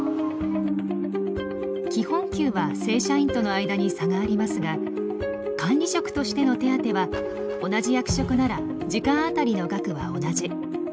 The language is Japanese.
基本給は正社員との間に差がありますが管理職としての手当は同じ役職なら時間あたりの額は同じ。